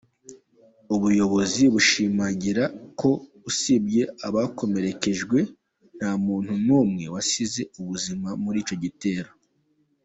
Ubuyobozi bushimangira ko usibye abakomerekejwe, nta muntu n’umwe wasize ubuzima muri icyo gitero.